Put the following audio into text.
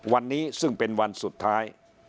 วันนี้ซึ่งเป็นวันสุดท้าย